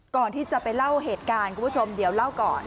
ก่อนที่จะไปเล่าเหตุการณ์คุณผู้ชมเดี๋ยวเล่าก่อน